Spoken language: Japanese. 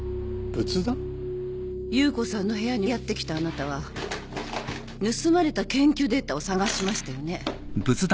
夕子さんの部屋にやって来たあなたは盗まれた研究データを捜しましたよね。